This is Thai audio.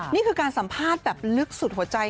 นี่คือการสัมภาษณ์แบบลึกสุดหัวใจ